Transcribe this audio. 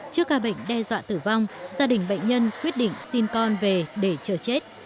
trước ca bệnh đe dọa tử vong gia đình bệnh nhân quyết định xin con về để chờ chết